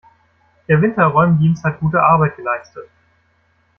Der Winterräumdienst hat gute Arbeit geleistet.